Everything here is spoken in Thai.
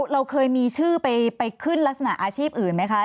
เราเคยมีชื่อไปขึ้นลักษณะอาชีพอื่นไหมคะ